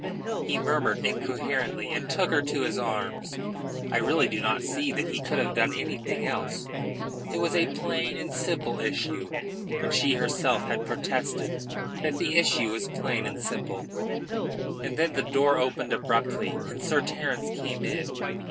He murmured incoherently and took her to his arms. I really do not see that he could have done anything else. It was a plain and simple issue, and she herself had protested that the issue was plain and simple. And then the door opened abruptly and Sir Terence came in.